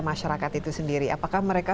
masyarakat itu sendiri apakah mereka